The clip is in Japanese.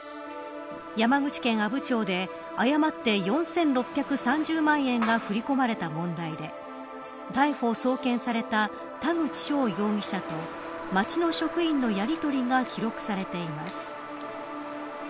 山口県阿武町で、誤って４６３０万円が振り込まれた問題で逮捕、送検された田口翔容疑者と町の職員のやりとりが記録されています。